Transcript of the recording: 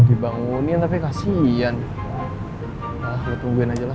dibangunin tapi kasihan ah tungguin ajalah